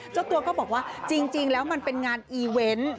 เจ้าตัวก็บอกว่าจริงแล้วมันเป็นงานอีเวนต์